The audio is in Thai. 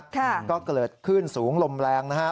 ก็เกิดขึ้นสูงลมแรงนะฮะ